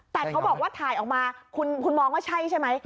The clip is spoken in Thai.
แต่เขาบอกว่าถ่ายออกมาคุณมองว่าใช่ใช่ไหม